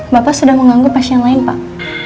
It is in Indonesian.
bapak sudah mengganggu pasien lain pak